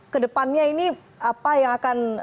kedepannya ini apa yang akan